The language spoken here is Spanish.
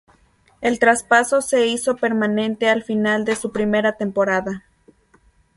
El traspaso se hizo permanente al final de su primera temporada.